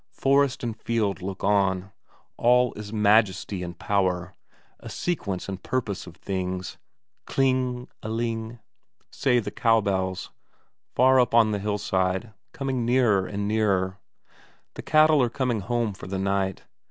Forest and field look on. All is majesty and power a sequence and purpose of things. Kling ... eling ... say the cow bells far up on the hillside, coming nearer and nearer; the cattle are coming home for the night.